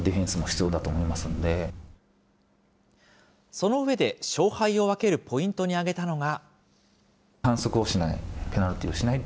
その上で、勝敗を分けるポイントに挙げたのが。